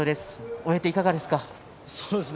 終えていかがですか？